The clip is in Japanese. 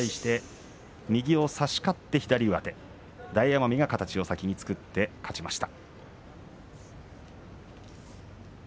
右を差し勝って左上手大奄美が形を先に作って勝ちました。